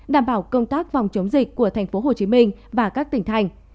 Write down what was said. đảm bảo công tác vòng chống dịch của thành phố hồ chí minh và các tỉnh thành